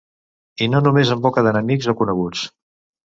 I no només en boca d'enemics o coneguts.